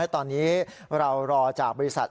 ตอนนี้เรารอจากบริษัท